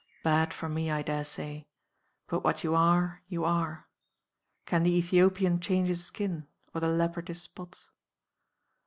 Bad for me, I dare say; but what you are you are. Can the Ethiopian change his skin, or the leopard his spots?